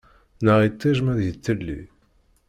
Neɣ iṭij ma d-yiṭṭili.